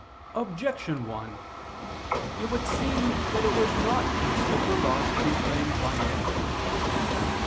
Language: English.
Objection 1: It would seem that it was not useful for laws to be framed by men.